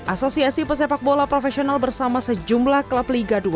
asosiasi pesepak bola profesional bersama sejumlah klub liga dua